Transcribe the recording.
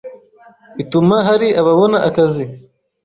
ituma hari ababona akazi.